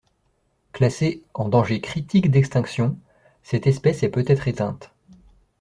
Classée en danger critique d'extinction, cette espèce est peut-être éteinte.